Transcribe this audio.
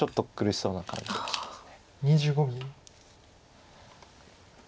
そうですね。